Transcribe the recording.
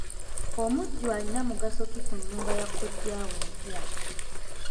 Omujjwa alina mugaso ki ku nnyumba ya kkojjaawe empya?